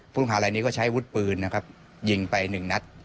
ผู้ต้องหาในนี้ก็ใช้วุฒิปืนยิงไปหนึ่งนัด